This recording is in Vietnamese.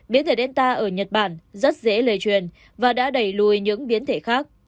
biến thể delta ở nhật bản rất dễ lời truyền và đã đẩy lùi những biến thể khác